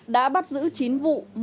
đã bắt giữ chín vụ